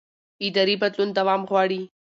اداري بدلون دوام غواړي